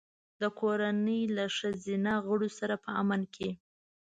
د کورنۍ له ښځینه غړو سره په امن کې.